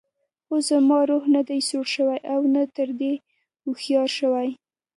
خو زما روح نه دی زوړ شوی او نه تر دې هوښیار شوی.